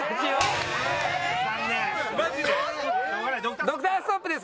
ドクターストップですから。